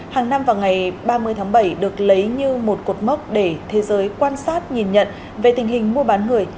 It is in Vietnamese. hàng năm vào ngày ba mươi tháng bảy được lấy như một cột mốc để thế giới quan sát nhìn nhận về tình hình mua bán người